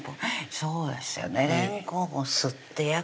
そうですね